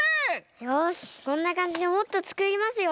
よしこんなかんじでもっとつくりますよ。